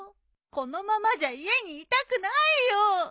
このままじゃ家にいたくないよ。